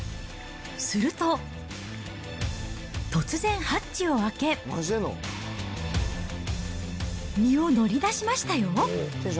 すると、突然、ハッチを開け、身を乗り出しましたよ。